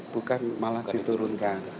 bukan malah diturunkan